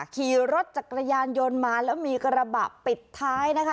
ขี่รถจักรยานยนต์มาแล้วมีกระบะปิดท้ายนะคะ